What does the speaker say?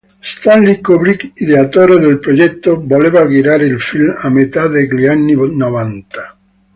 Stanley Kubrick, ideatore del progetto, voleva girare il film a metà degli anni novanta.